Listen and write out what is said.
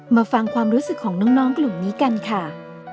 มาฟังความรู้สึกของน้องกลุ่มนี้กันค่ะ